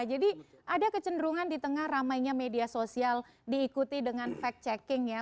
jadi ada kecenderungan di tengah ramainya media sosial diikuti dengan fact checking ya